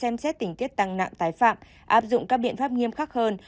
mạng tái phạm áp dụng các biện pháp nghiêm khắc hơn